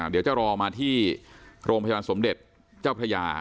เดี๋ยวจะรอมาที่โรงพยาบาลสมเด็จเจ้าพระยา